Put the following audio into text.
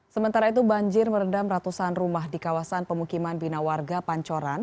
sementara itu banjir merendam ratusan rumah di kawasan pemukiman bina warga pancoran